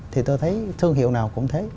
thì tôi thấy thương hiệu nào cũng thế